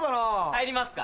入りますか？